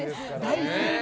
大好き！